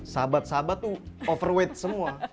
sahabat sahabat tuh overweight semua